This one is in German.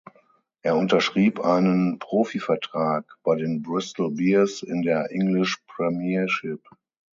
Er unterschrieb einen Profivertrag bei den Bristol Bears in der English Premiership.